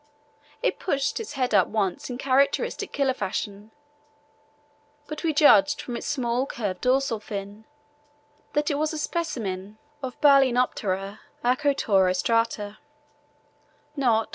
It pushed its head up once in characteristic killer fashion, but we judged from its small curved dorsal fin that it was a specimen of Balænoptera acutorostrata, not Orca gladiator.